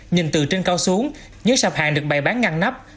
nhìn từ trên cao xuống những sạp hàng được bày bán ngăn nắp